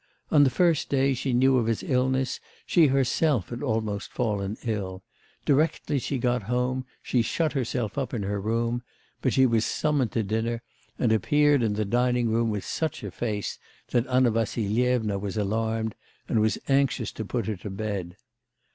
On the first day she knew of his illness she herself had almost fallen ill; directly she got home, she shut herself up in her room; but she was summoned to dinner, and appeared in the dining room with such a face that Anna Vassilyevna was alarmed, and was anxious to put her to bed.